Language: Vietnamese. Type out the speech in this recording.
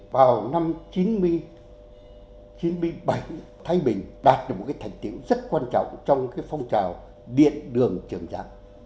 vào năm chín mươi bảy thái bình đạt được một cái thành tiêu rất quan trọng trong cái phong trào điện đường trường giảng